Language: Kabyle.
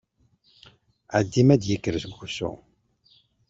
Ɛeddi m'ad d-yekker seg usu!